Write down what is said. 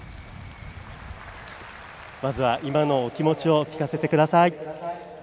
まずは今のお気持ちを聞かせてください。